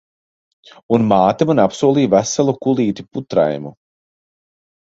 Un māte man apsolīja veselu kulīti putraimu.